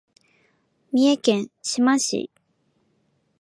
三重県志摩市